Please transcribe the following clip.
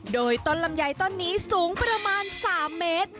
โดยต้นลำไยต้นนี้สูงประมาณ๓เมตร